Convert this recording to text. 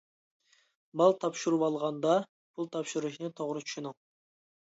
مال تاپشۇرۇۋالغاندا پۇل تاپشۇرۇشنى توغرا چۈشىنىڭ.